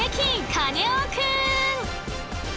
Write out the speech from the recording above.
カネオくん！